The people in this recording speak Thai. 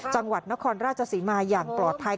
จังหวัดนครราชศรีมาอย่างปลอดภัย